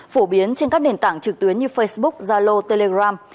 phổ biến trên các nền tảng trực tuyến như facebook zalo telegram